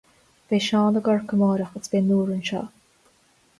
beidh Seán i gCorcaigh amárach, agus beidh Nóra anseo